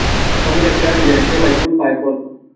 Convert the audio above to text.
মালী গাছকে রাখতে জানে, সে পায় ফুল, পায় ফল।